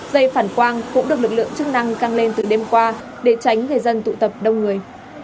dây phản quang cũng được lực lượng chức năng căng lên từ đêm qua để tránh người dân tụ tập đông người